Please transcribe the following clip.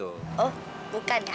oh bukan ya